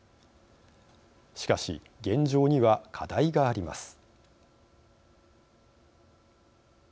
しかし現状には課題があります。